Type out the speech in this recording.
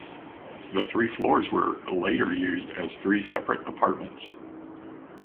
The three floors were later used as three separate apartments.